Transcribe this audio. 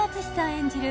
演じる